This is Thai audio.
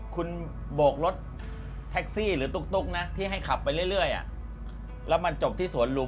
คุณโบกรถแท็กซี่หรือตุ๊กนะที่ให้ขับไปเรื่อยแล้วมันจบที่สวนลุม